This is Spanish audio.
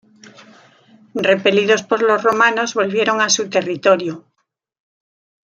Repelidos por los romanos, volvieron a su territorio.